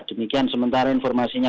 demikian sementara informasinya